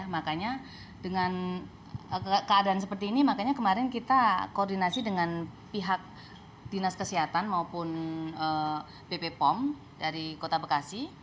makanya dengan keadaan seperti ini makanya kemarin kita koordinasi dengan pihak dinas kesehatan maupun bp pom dari kota bekasi